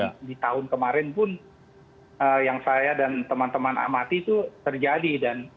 nah di tahun kemarin pun yang saya dan teman teman amati itu terjadi